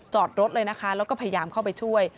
จอดรถเลยนะคะแล้วก็พยายามเข้าไปช่วย